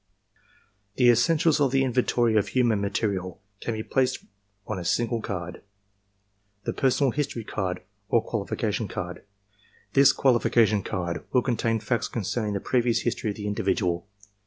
" The essentials of the inventory of human material can be placed on a siagle card — the personal history card or qualifica tion card. This qualification card will contain facts concerning the previous history of the individual.